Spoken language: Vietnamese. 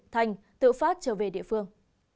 thành tự phát trở về địa phương